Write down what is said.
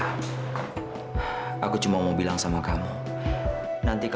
sampai jumpa di video selanjutnya